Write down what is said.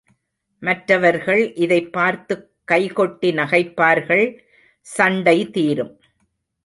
மற்றவர்கள் இதைப் பார்த்துக் கைகொட்டி நகைப்பார்கள், சண்டை தீரும்.